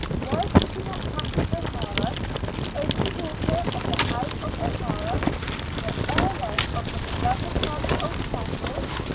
Was she not Kathleen O'Hara, the only daughter of the House of O'Hara, the heiress of her beloved father's old castle?